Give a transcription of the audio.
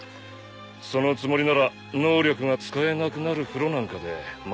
そのつもりなら能力が使えなくなる風呂なんかで待ってないでしょ。